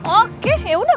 oke ya udah